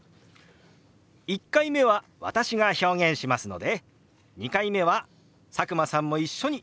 １回目は私が表現しますので２回目は佐久間さんも一緒に手を動かしてみましょう！